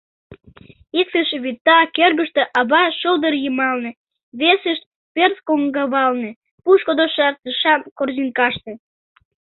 Иктышт — вӱта кӧргыштӧ ава шулдыр йымалне, весышт — пӧрт коҥгавалне, пушкыдо шартышан корзинкаште.